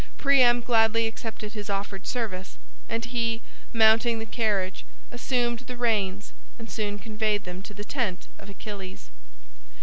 Priam gladly accepted his offered service, and he, mounting the carriage, assumed the reins and soon conveyed them to the tent of Achilles.